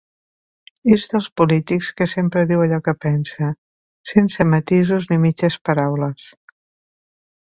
És dels polítics que sempre diu allò que pensa, sense matisos ni mitges paraules.